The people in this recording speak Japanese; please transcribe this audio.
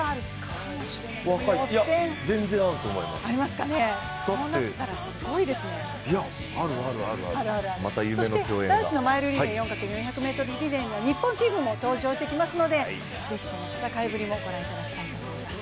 そして男子のマイルリレー４×１００ｍリレー、日本チームも登場してきますのでぜひその戦いぶりも御覧いただきたいと思います。